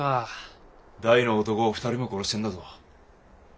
大の男を２人も殺してるんだぞ。